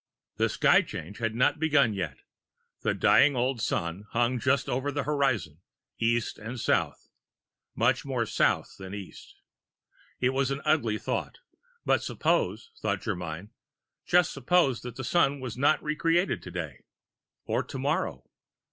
The sky change had not begun yet; the dying old Sun hung just over the horizon, east and south, much more south than east. It was an ugly thought, but suppose, thought Germyn, just suppose that the Sun were not re created today? Or tomorrow.